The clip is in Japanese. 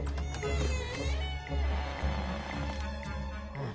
うん。